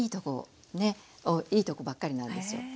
いいとこばっかりなんですよ。